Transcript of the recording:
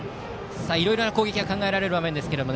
いろいろな攻撃が考えられる場面ですが。